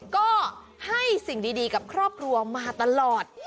ก็ให้สิ่งดีกับครอบครัวมาตลอด